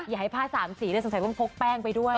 อย่าให้ผ้าสามสีสงสัยต้องพกแป้งไปด้วย